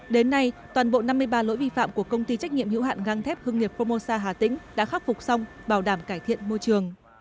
đến nay toàn bộ năm mươi ba lỗi vi phạm của công ty trách nhiệm hữu hạn găng thép hương nghiệp pomosa hà tĩnh đã khắc phục xong bảo đảm cải thiện môi trường